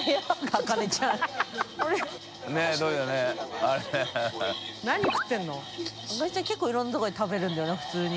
茜ちゃん結構いろんな所で食べるんだよな普通に。